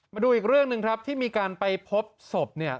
มาดูอีกเรื่องหนึ่งครับที่มีการไปพบศพเนี่ย